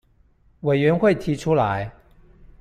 委員會提出來